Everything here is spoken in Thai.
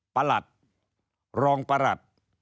ปรัตฐรองปรัฐ